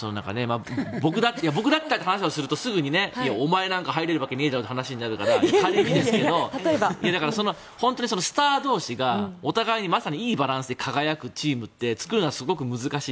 僕だったらという話をするとすぐにお前なんか入れるわけねーだろって話になりますが仮にですけど本当にスター同士がお互いにまさにいいバランスで輝くチームって作るのがすごく難しい。